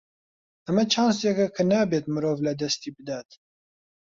ئەمە چانسێکە کە نابێت مرۆڤ لەدەستی بدات.